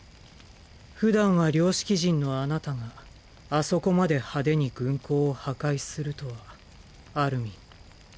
ふだんは良識人のあなたがあそこまで派手に軍港を破壊するとはアルミン。